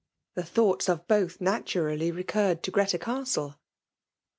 The thooghts of both natarally recurred to Grreta Castle